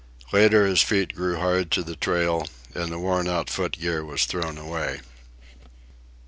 Later his feet grew hard to the trail, and the worn out foot gear was thrown away.